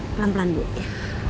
pelan pelan bu ya